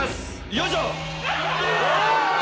よいしょ。